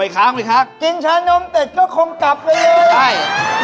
กินชานมเต็กก็คงกลับไปเลย